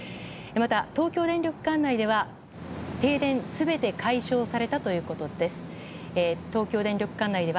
また、東京電力管内では停電が全て解消されたということです。